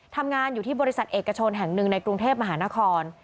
ทำงานอยู่ที่บริษัทเอกชนแห่งหนึ่งในกรุงเทพมหานคร